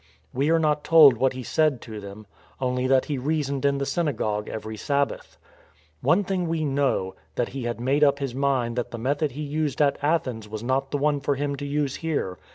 We are not told what he said to them, only that he reasoned in the synagogue every Sabbath. One thing we know, that he had made up his mind that the method he used at Athens was not the one for him to use here.